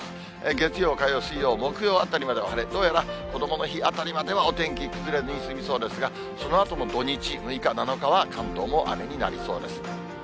月曜、火曜、水曜、木曜あたりまでは晴れ、どうやらこどもの日あたりまでは、お天気崩れずにすみそうですが、そのあとも土日、６日、７日は関東も雨になりそうです。